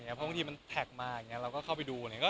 อาหารที่มันแทกมาแล้วเราก็เข้าไปดู